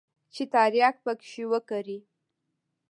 چې ترياک پکښې وکري.